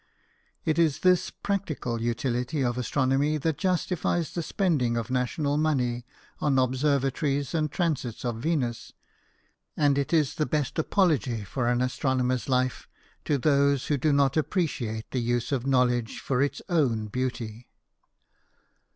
It is this practical utility of astronomy that justifies the spending of national money on observatories and transits of Venus, and it is the best apology for an astronomer's life to those who do not appreciate the use of knowledge for its own beauty.